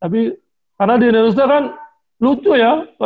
tapi karena di indonesia kan lucu ya